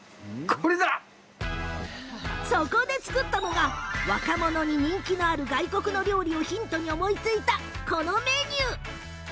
そこで、作ったのが若者に人気のある外国の料理をヒントに思いついたメニュー。